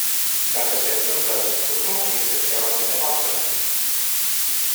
Dacă se întâmplă acest lucru, este treaba dvs.